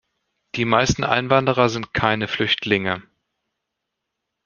Die meisten Einwanderer sind keine Flüchtlinge.